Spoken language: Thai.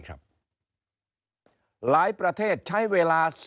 หลายประเทศใช้เวลา